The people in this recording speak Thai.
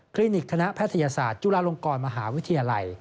นิกคณะแพทยศาสตร์จุฬาลงกรมหาวิทยาลัย